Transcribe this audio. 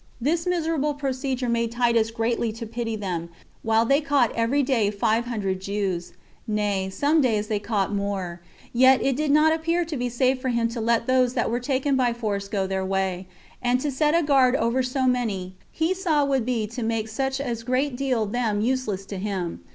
This miserable procedure made Titus greatly to pity them, while they caught every day five hundred Jews; nay, some days they caught more: yet it did not appear to be safe for him to let those that were taken by force go their way, and to set a guard over so many he saw would be to make such as great deal them useless to him.